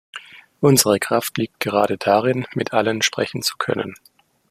Unsere Kraft liegt gerade darin, mit allen sprechen zu können.